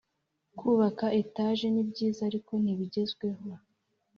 Kubaka etaje ni byiza ariko nti bigezweho